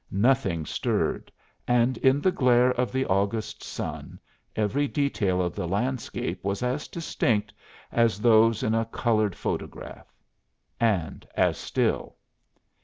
Nothing stirred; and in the glare of the August sun every detail of the landscape was as distinct as those in a colored photograph; and as still.